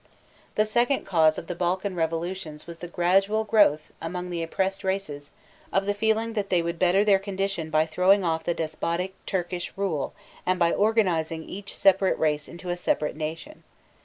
The second cause of the Balkan revolutions was the gradual growth among the oppressed races of the feeling that they would better their condition by throwing off the despotic Turkish rule and by organizing each separate race into a separate nation.